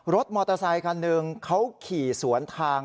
มอเตอร์ไซคันหนึ่งเขาขี่สวนทาง